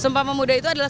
sumpah pemuda itu adalah